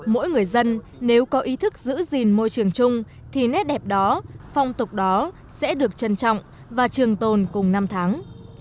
mỗi người dân nếu có ý thức giữ gìn môi trường chung thì nét đẹp đó phong tục đó sẽ được trân trọng và trường tồn cùng năm tháng